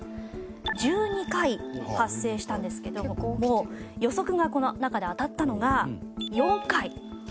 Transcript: １２回発生したんですけども予測がこの中で当たったのが４回。